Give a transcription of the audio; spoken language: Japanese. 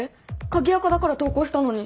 鍵アカだから投稿したのに！